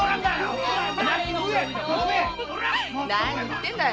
何言ってんだい。